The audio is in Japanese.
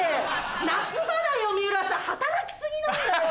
夏場だよ水卜さん働き過ぎなんだよ。